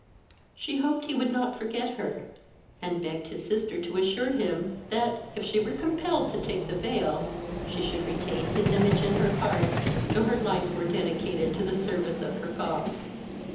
She hoped he would not forget her, and begged his sister to assure him, that, if she were compelled to take the veil, she should retain his image in her heart, though her life were dedicated to the service of her God.